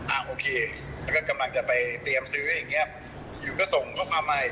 โอเคแล้วก็กำลังจะไปเตรียมซื้ออย่างเงี้ยอยู่ก็ส่งข้อความใหม่